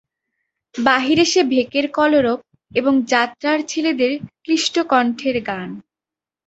বাহিরে সেই ভেকের কলরব এবং যাত্রার ছেলেদের ক্লিষ্ট কণ্ঠের গান।